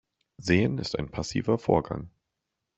Sehen ist ein passiver Vorgang.